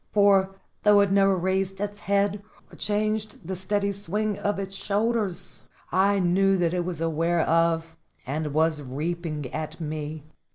For, though it never raised its head, or changed the steady swing of its shoulders, I knew that it was aware of and was reaping at me.